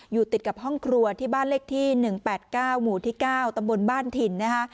อยู่ติดกับห้องครัวที่บ้านเลขที่๑๘๙หมู่ที่๙ตำบลบ้านถิ่นนะคะ